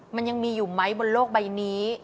มันยังมีอยู่ไหมบนโลกใบนี้